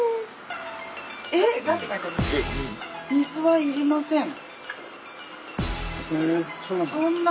水はいりません。